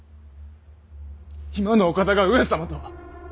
今のお方が上様とは！